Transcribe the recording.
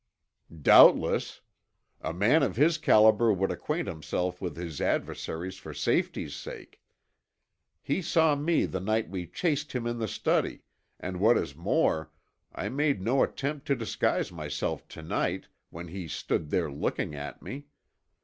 "Doubtless. A man of his caliber would acquaint himself with his adversaries for safety's sake. He saw me the night we chased him in the study, and what is more, I made no attempt to disguise myself to night when he stood there looking at me.